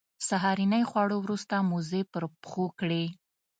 سهارنۍ خوړلو وروسته موزې پر پښو کړې.